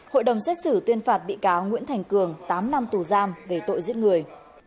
hội đồng xét xử tuyên phạt bị cáo nguyễn thành cường tám năm tù giam về tội giết người